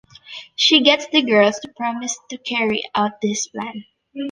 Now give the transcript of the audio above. She gets the girls to promise to carry out this plan.